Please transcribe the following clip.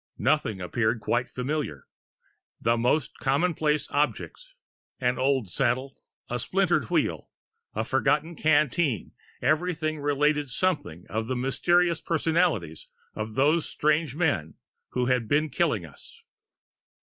Nothing appeared quite familiar; the most commonplace objects an old saddle, a splintered wheel, a forgotten canteen everything related something of the mysterious personality of those strange men who had been killing us.